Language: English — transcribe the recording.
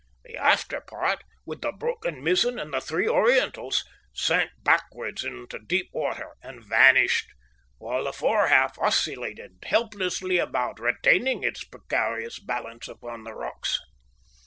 The after part, with the broken mizzen and the three Orientals, sank backwards into deep water and vanished, while the fore half oscillated helplessly about, retaining its precarious balance upon the rocks.